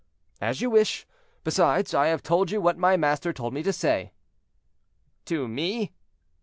"As you wish. Besides, I have told you what my master told me to say." "To me?"